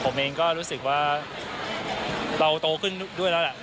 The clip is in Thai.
ผมเองก็รู้สึกว่าเราโตขึ้นด้วยแล้วแหละ